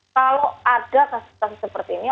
kalau ada kasus kasus seperti ini